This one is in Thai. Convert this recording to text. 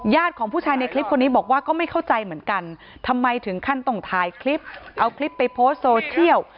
ของผู้ชายในคลิปคนนี้บอกว่าก็ไม่เข้าใจเหมือนกันทำไมถึงขั้นต้องถ่ายคลิปเอาคลิปไปโพสต์โซเชียล